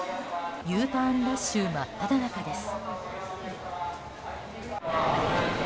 Ｕターンラッシュ真っただ中です。